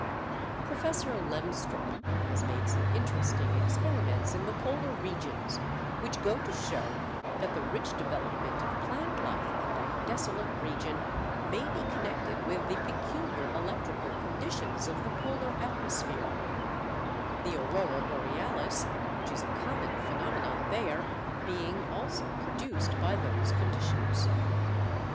Professor Lemström has made some interesting experiments in the Polar regions which go to show that the rich development of plant life in that desolate region may be connected with the peculiar electrical conditions of the Polar atmosphere; the aurora borealis, which is a common phenomenon there, being also produced by those conditions.